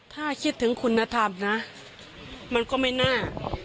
ถ้าคิดถึงคุณธรรมนะมันก็ไม่น่า